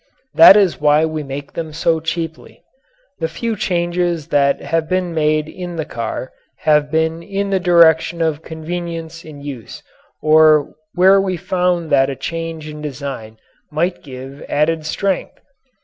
That is why we make them so cheaply. The few changes that have been made in the car have been in the direction of convenience in use or where we found that a change in design might give added strength.